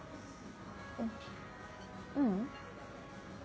あううん。